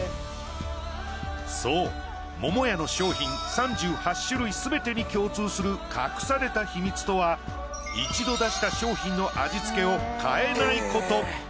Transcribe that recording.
そう桃屋の商品３８種類すべてに共通する隠された秘密とは一度出した商品の味付けを変えないこと。